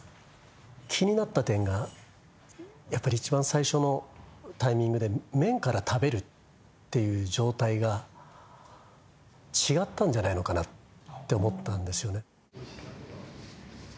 気になった点がやっぱり一番最初のタイミングで麺から食べるっていう状態が違ったんじゃないのかなって思ったんですよね